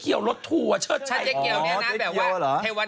เออ